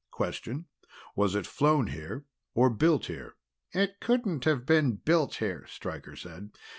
Question: Was it flown here, or built here?" "It couldn't have been built here," Stryker said.